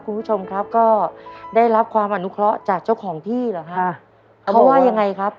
คุณผู้ชมครับก็ได้รับความอนุเคราะห์จากเจ้าของที่เหรอฮะเขาว่ายังไงครับ